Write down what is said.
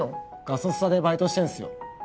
ガソスタでバイトしてんすよ